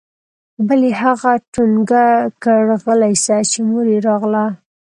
بل يې هغه ټونګه كړ غلى سه چې مور يې راغله.